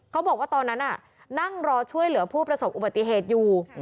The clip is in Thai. เขาบอกว่าตอนนั้นนั่งรอช่วยเหลือผู้ประสบอุบัติเหตุอยู่